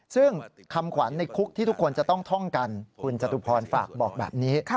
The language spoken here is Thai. ซึ่งคำขวัญในคุกที่ทุกคนจะต้องท่องกันคุณจตุพรฝากบอกแบบนี้